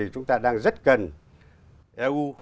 chúng ta đang rất cần eu